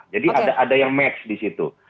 jadi ada yang max di situ